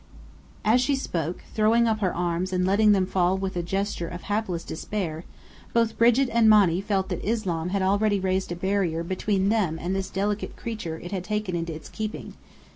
As she spoke, throwing up her arms and letting them fall with a gesture of helpless despair, both Brigit and Monny felt that Islam had already raised a barrier between them and this delicate creature it had taken into its keeping.